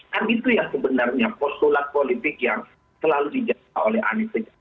kan itu yang sebenarnya poskolat politik yang selalu dijaga oleh anies